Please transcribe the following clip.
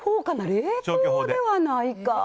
冷凍ではないな。